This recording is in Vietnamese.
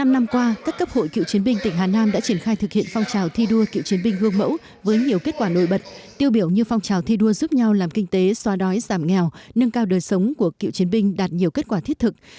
một mươi năm năm qua các cấp hội cựu chiến binh tỉnh hà nam đã triển khai thực hiện phong trào thi đua cựu chiến binh gương mẫu với nhiều kết quả nổi bật tiêu biểu như phong trào thi đua giúp nhau làm kinh tế xóa đói giảm nghèo nâng cao đời sống của cựu chiến binh đạt nhiều kết quả thiết thực